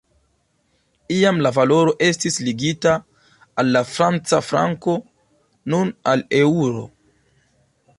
Iam la valoro estis ligita al la franca franko, nun al eŭro.